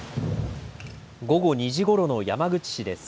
午後２時ごろの山口市です。